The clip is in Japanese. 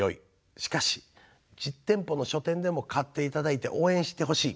しかし実店舗の書店でも買っていただいて応援してほしい。